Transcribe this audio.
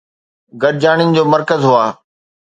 گڏجاڻين جو مرڪز هئا